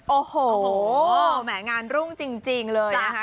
โอ้โหแหมงานรุ่งจริงเลยนะคะ